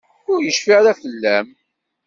Ur yecfi ara fell-am.